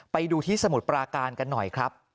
ไปดูที่สมุทรปราการกันหน่อยครับ